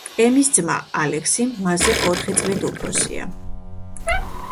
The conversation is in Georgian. ემის ძმა, ალექსი, მასზე ოთხი წლით უფროსია.